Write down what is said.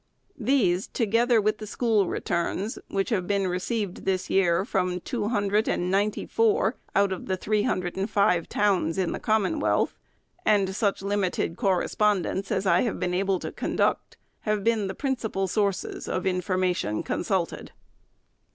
These, together with the school returns, which have been received this year from two hundred and ninety four out of the three hundred and five towns in the Commonwealth, and such limited correspondence as I have been able to conduct, have been the principal sources of information consulted.